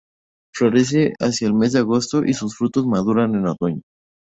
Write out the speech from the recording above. Florece hacia el mes de agosto y sus frutos maduran en otoño.